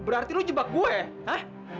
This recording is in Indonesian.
berarti lo jebak gue ha